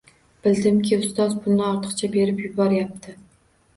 Bildim-ki, ustoz pulni ortiqcha berib yuboryapti.